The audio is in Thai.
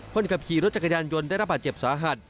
คนขับขี่รถจักรยานยนต์ได้รับบาดเจ็บสาหัส